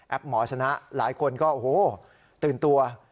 หมอชนะหลายคนก็โอ้โหตื่นตัว